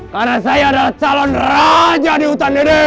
karena saya adalah calon raja di hutan dede